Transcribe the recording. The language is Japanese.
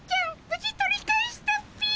無事取り返したっピィ。